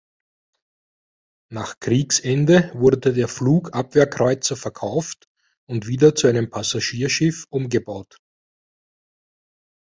Nach Kriegsende wurde der Flugabwehrkreuzer verkauft und wieder zu einem Passagierschiff umgebaut.